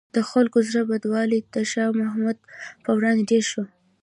د خلکو زړه بدوالی د شاه محمود په وړاندې ډېر شو.